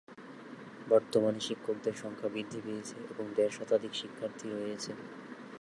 বর্তমানে শিক্ষকদের সংখ্যা বৃদ্ধি পেয়েছে এবং দেড় শতাধিক শিক্ষার্থী রয়েছে।